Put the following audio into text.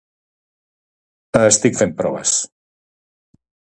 Estic fent proves